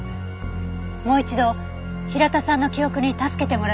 もう一度平田さんの記憶に助けてもらいましょう。